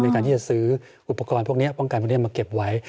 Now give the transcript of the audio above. ในการที่จะซื้ออุปกรณ์พวกนี้ป้องกันพวกนี้มาเก็บไว้